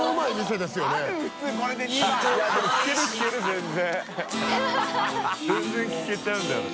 全然聴けちゃうんだよな）